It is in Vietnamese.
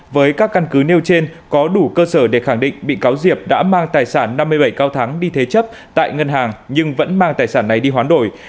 với các căn cứ nêu trên có đủ cơ sở để khẳng định bị cáo diệp đã mang tài sản năm mươi bảy cao thắng đi thế chấp tại ngân hàng nhưng vẫn mang tài sản này đi hoán đổi